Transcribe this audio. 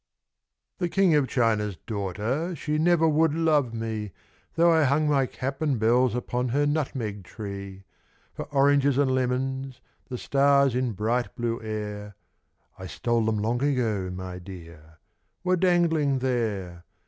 THE King of China's daughter She never would love me, Though I hung my cap and bells upon Her nutmeg tree. For oranges and lemons The stars in bright blue air (I stole them long ago, my dear) Were dangling there.